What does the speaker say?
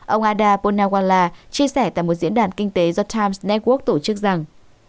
ông adha ponawala chia sẻ tại một diễn đàn kinh tế do times network tổ chức rằng